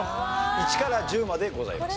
１から１０までございます。